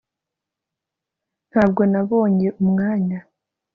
ntabwo nabonye umwanya